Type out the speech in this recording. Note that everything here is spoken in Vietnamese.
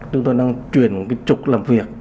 chúng tôi đang chuyển cái trục làm việc